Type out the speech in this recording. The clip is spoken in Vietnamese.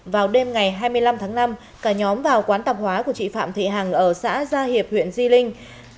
vào đêm ngày hai mươi năm tháng năm cả nhóm vào quán tạp hóa của chị phạm thị hằng ở xã gia hiệp huyện di linh